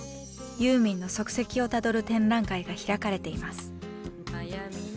ユーミンの足跡をたどる展覧会が開かれています。